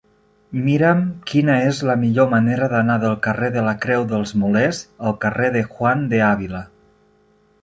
Mira'm quina és la millor manera d'anar del carrer de la Creu dels Molers al carrer de Juan de Ávila.